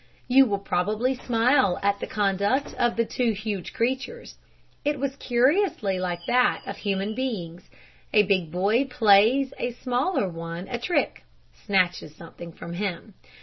You will probably smile at the conduct of the two huge creatures. It was curiously like that of human beings. A big boy plays a smaller one a trick snatches something from him.